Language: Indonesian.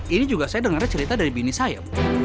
ini juga saya dengarnya cerita dari bini saya